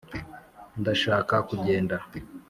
ndashaka kugenda